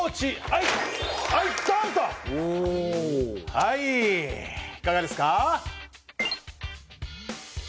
はいいかがですか？